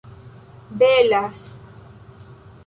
belas